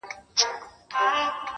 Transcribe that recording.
o هغه ښايسته بنگړى په وينو ســـور دى.